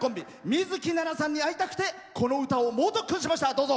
水樹奈々さんに会いたくてこの歌を猛特訓しました。